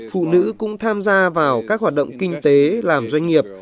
phụ nữ cũng tham gia vào các hoạt động kinh tế làm doanh nghiệp